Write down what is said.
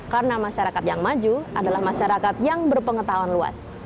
karena masyarakat yang maju adalah masyarakat yang berpengetahuan luas